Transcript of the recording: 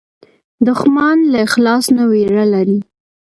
دښمن له اخلاص نه وېره لري